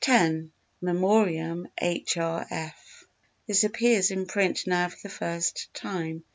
In Memoriam H. R. F. This appears in print now for the first time.